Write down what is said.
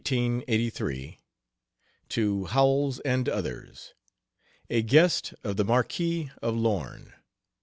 LETTERS, 1883, TO HOWELLS AND OTHERS. A GUEST OF THE MARQUIS OF LORNE.